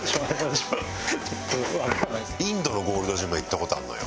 インドのゴールドジムは行った事あるのよ。